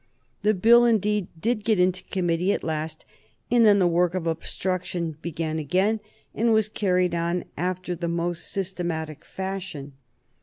The Bill, however, did get into committee at last, and then the work of obstruction began again and was carried on after the most systematic fashion.